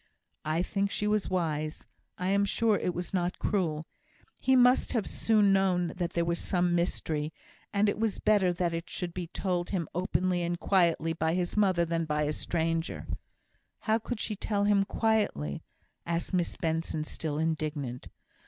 "I think she was wise. I am sure it was not cruel. He must have soon known that there was some mystery, and it was better that it should be told him openly and quietly by his mother than by a stranger." "How could she tell him quietly?" asked Miss Benson, still indignant.